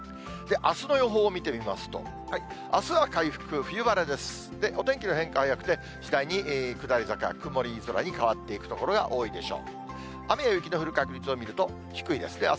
あすの予報を見てみますと、あすは回復、冬晴れです。